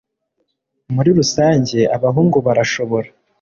Muri rusange abahungu barashobora